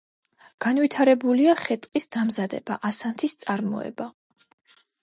განვითარებულია ხე-ტყის დამზადება, ასანთის წარმოება.